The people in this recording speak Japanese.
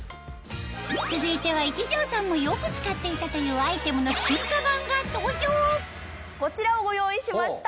続いては壱城さんもよく使っていたというアイテムの進化版が登場こちらをご用意しました。